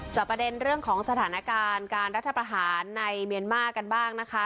ประเด็นเรื่องของสถานการณ์การรัฐประหารในเมียนมาร์กันบ้างนะคะ